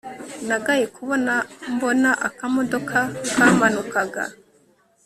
nagaye kubona mbona akamodoka kamanukaga